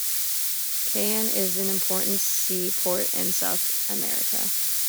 Cayenne is an important seaport in South America.